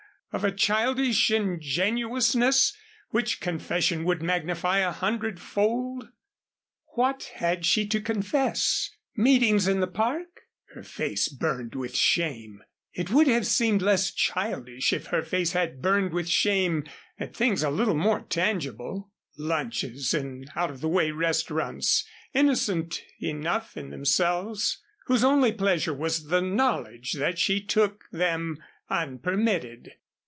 of a childish ingenuousness which confession would magnify a hundred fold. What had she to confess? Meetings in the Park? Her face burned with shame. It would have seemed less childish if her face had burned with shame at things a little more tangible. Lunches in out of the way restaurants, innocent enough in themselves, whose only pleasure was the knowledge that she took them unpermitted.